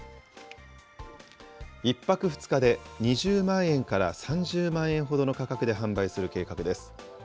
１泊２日で２０万円から３０万円ほどの価格で販売する計画です。